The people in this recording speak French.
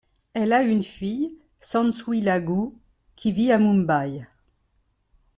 Elle a une fille, Sansui Lagoo, qui vit à Mumbai.